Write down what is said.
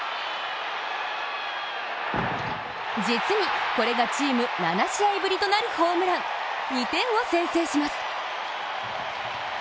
実にこれがチーム７試合ぶりとなるホームラン、２点を先制します。